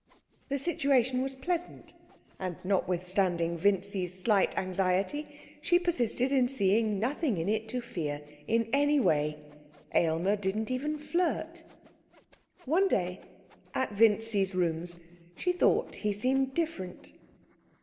The situation was pleasant and notwithstanding Vincy's slight anxiety, she persisted in seeing nothing in it to fear in any way. Aylmer didn't even flirt. One day, at Vincy's rooms, she thought he seemed different.